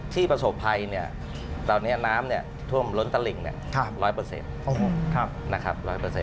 ที่ประสบภัยเนี่ยตอนนี้น้ำเนี่ยท่วมร้นตลิ่งเนี่ย๑๐๐นะครับ๑๐๐